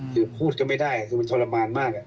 คือพูดก็ไม่ได้คือมันทรมานมาก